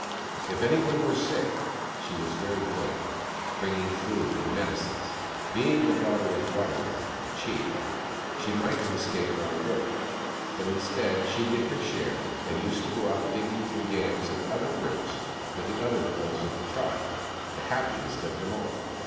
If anyone were sick she was very good, bring ing food and medicines. Being the daughter of Wadaro, the chief, she might have escaped all work ; but instead, she did her share, and used to go out digging for yams and other roots with the other girls of the tribe, the happiest of them all.